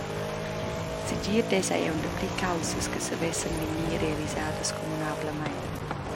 Segir dess ei aunc dapli caussas che savessen vegnir realisadas communablamein.